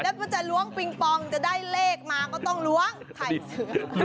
แล้วก็จะล้วงปิงปองจะได้เลขมาก็ต้องล้วงไข่เสือ